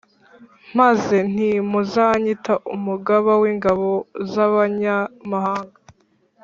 Maze nti Muzanyita umugaba w’ingabo z’abanyamahanga